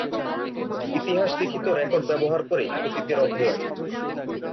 ইতিহাস লিখিত রেকর্ড ব্যবহার করে অতীতের অধ্যয়ন।